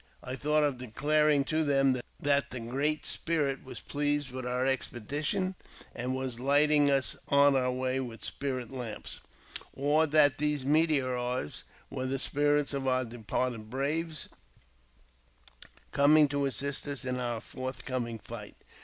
I thought of declaring to them that the Great Spirit was pleased with our expedition, and was lighting us on our way with spirit lamps ; or that these meteors were the spirits of our departed braves, coming to assist us in our forthcoming fight.